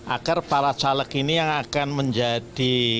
agar para caleg ini yang akan menjadi